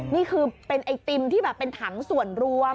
นี่คือเป็นไอติมที่แบบเป็นถังส่วนรวม